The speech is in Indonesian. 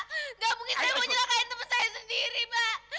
nggak mungkin saya menyerahkan teman saya sendiri pak